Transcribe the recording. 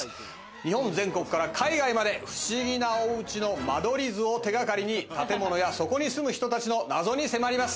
日本全国から海外まで、不思議なおうちの間取り図を手掛かりに、建物や、そこに住む人たちの謎に迫ります。